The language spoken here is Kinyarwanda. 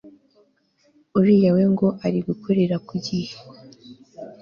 uriya we ngo ari gukorera ku gihe